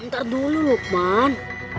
entar dulu lukman